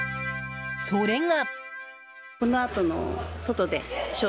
それが。